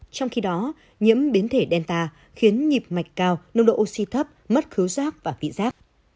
trong khi đó nhiễm biến thể delta khiến nhịp mạch cao nông độ oxy thấp mất cứu giác và vị giác